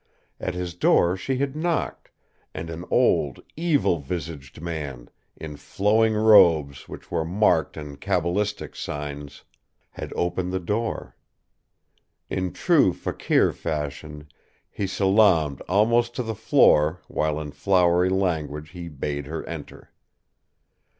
At his door she had knocked, and an old, evil visaged man, in flowing robes which were marked in cabalistic signs, had opened the door. In true fakir fashion he salaamed almost to the floor while in flowery language he bade her enter.